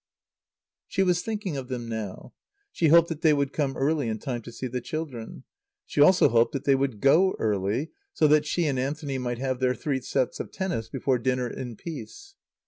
She was thinking of them now. She hoped that they would come early in time to see the children. She also hoped that they would go early, so that she and Anthony might have their three sets of tennis before dinner in peace.